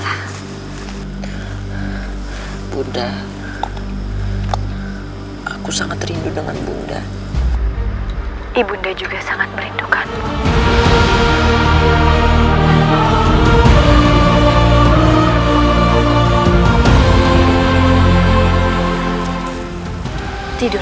ibu unda sudah tidak bisa menahan rasa rindu ini